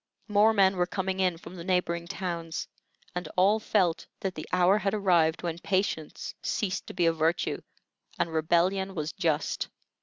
More men were coming in from the neighboring towns, and all felt that the hour had arrived when patience ceased to be a virtue and rebellion was just.